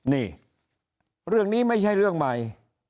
นี่เรื่องนี้ไม่ใช่เรื่องใหม่